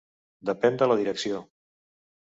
Depèn de la Direcció.